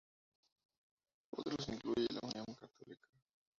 Otros incluye a la Unión Católica.